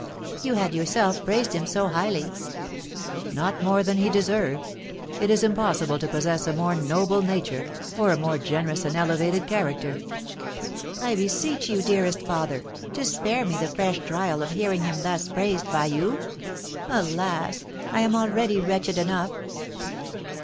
"You had yourself praised him so highly." "Not more than he deserved. It is impossible to possess a more noble nature, or a more generous and elevated character." "I beseech you, dearest father, to spare me the fresh trial of hearing him thus praised by you. Alas! I am already wretched enough."